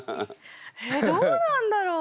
えどうなんだろう？